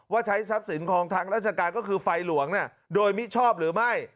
ใช้ทรัพย์สินของทางราชการก็คือไฟหลวงโดยมิชอบหรือไม่